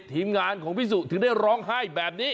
ทีมงานของพี่สุถึงได้ร้องไห้แบบนี้